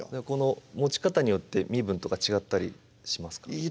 この持ち方によって身分とか違ったりしますか？